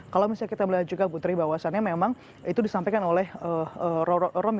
kalau misalnya kita melihat juga putri bahwasannya memang itu disampaikan oleh romi